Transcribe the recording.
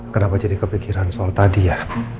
kenapa jadi kepikiran soal tadi ya